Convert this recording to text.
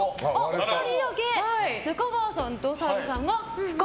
２人だけ中川さんと澤部さんが不可。